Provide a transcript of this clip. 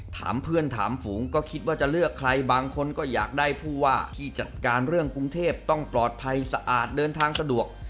ถามเพื่อนถามฝูงก็คิดว่าจะเลือกใครบางคนก็อยากได้ผู้ว่าที่จัดการเรื่องกรุงเทพต้องปลอดภัยสะอาดเดินทางสะดวก